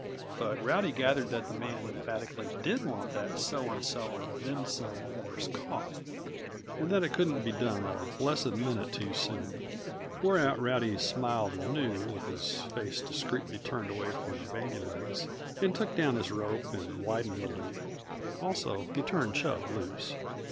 But Rowdy gathered that the man emphatically did want that so and so and then some horse caught, and that it couldn't be done a blessed minute too soon. Whereat Rowdy smiled anew, with his face discreetly turned away from Bandy legs, and took down his rope and widened the loop. Also, he turned Chub loose.